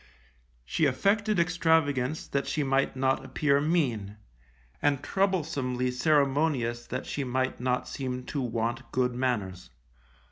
She affected extravagance that she might not appear mean, and troublesomely ceremonious that she might not seem to want good manners.